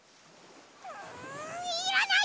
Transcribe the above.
んいらない！